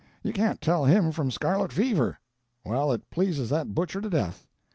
You can't tell him from scarlet fever. Well, it pleases that butcher to death.